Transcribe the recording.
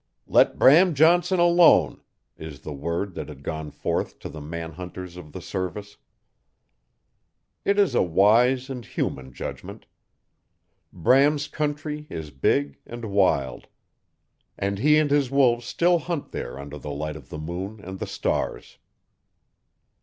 "Let Bram Johnson alone" is the word that had gone forth to the man hunters of the Service. It is a wise and human judgment. Bram's country is big and wild. And he and his wolves still hunt there under the light of the moon and the stars.